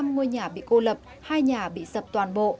một trăm linh ngôi nhà bị cô lập hai nhà bị sập toàn bộ